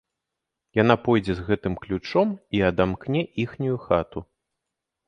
Яна пойдзе з гэтым ключом і адамкне іхнюю хату.